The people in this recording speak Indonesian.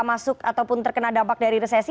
masuk ataupun terkena dampak dari resesi